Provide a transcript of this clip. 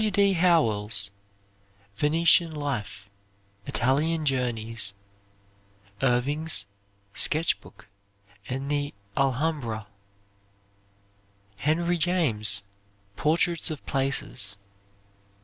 W. D. Howell's "Venetian Life"; "Italian Journeys." Irving's "Sketch Book," and the "Alhambra." Henry James, "Portraits of Places."